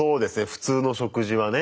普通の食事はね。